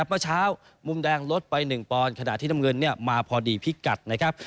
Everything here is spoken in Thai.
เมื่อเช้ามุมแดงลดไป๑ปอนด์ขณะที่น้ำเงินมาพอดีพิกัดนะครับ